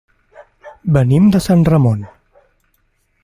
Venim de Sant Ramon.